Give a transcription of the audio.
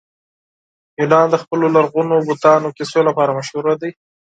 یونان د خپلو لرغونو بتانو کیسو لپاره مشهوره دی.